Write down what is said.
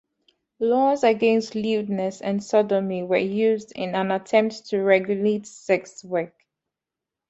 Laws against lewdness and sodomy were used in an attempt to regulate sex work.